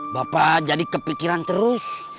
bapak jadi kepikiran terus